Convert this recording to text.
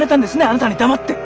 あなたに黙って。